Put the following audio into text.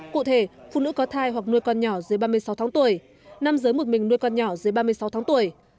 cụ thể phụ nữ có thai hoặc nuôi con nhỏ dưới ba mươi sáu tháng tuổi nam giới một mình nuôi con nhỏ dưới ba mươi sáu tháng tuổi